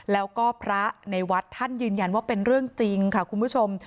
แล้วก็พระในวัดท่านยืนยันว่าเป็นเรื่องจริงค่ะคุณผู้ชม